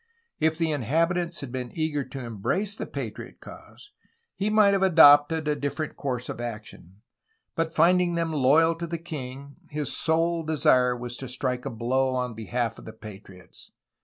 If the inhabitants had been eager to embrace the patriot cause he might have adopted a different course of action, but finding them loyal to the king his sole desire was to strike a blow on behalf of the patriots.